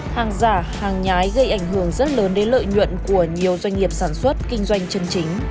hàng giả hàng nhái gây ảnh hưởng rất lớn đến lợi nhuận của nhiều doanh nghiệp sản xuất kinh doanh chân chính